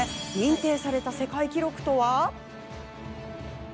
認定された世界記録とは？